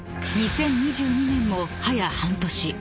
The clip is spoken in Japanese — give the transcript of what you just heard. ［２０２２年もはや半年］